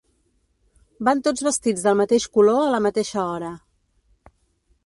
Van tots vestits del mateix color a la mateixa hora.